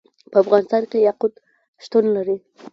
په افغانستان کې یاقوت شتون لري.